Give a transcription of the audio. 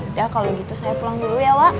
udah kalo gitu saya pulang dulu ya wak